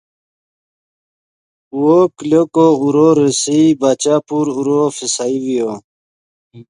وو کلو کو اورو ریسئے باچا پور اورو فسائی ڤیو